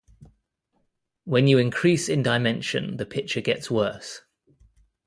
When you increase in dimension the picture gets worse.